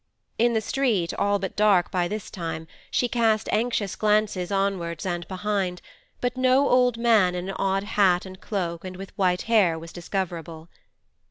In the street, all but dark by this time, she cast anxious glances onwards and behind, but no old man in an odd hat and cloak and with white hair was discoverable.